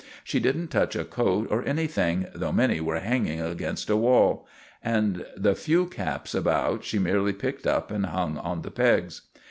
She didn't touch a coat or anything, though many were hanging against a wall; and the few caps about she merely picked up and hung on the pegs.